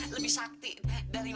lebih sakti dari